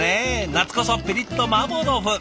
夏こそピリッとマーボー豆腐！